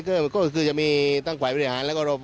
ก็เป้าระวันต่อตอนนี้จะมีต้องกว่ายพยาบาล